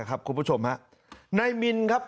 ครับคุณผู้ชมครับ